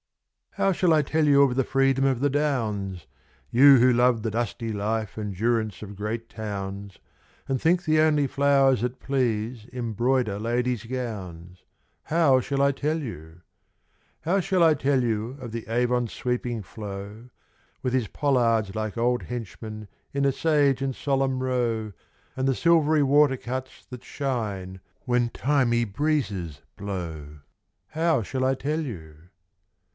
SONG. OW shall I tell you of the freedom of the Downs? You who love the dusty life and durance of great towns, And think the only flowers that please embroider ladies' gowns, I low shall I tell you ? I I o ■■ ihall I tell you of the Avon's sweeping How, With his pollards like old hen< hmen in a sage and solemn row, And the silvery water cuts that shine when thy my breezes blow? How shall I tell you